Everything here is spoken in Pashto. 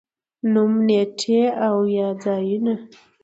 نوم، نېټې او یا ځايونه